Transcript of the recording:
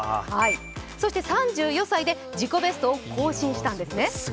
そして３４歳で自己ベストを更新したんですね。